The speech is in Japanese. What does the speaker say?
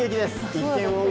１点を追う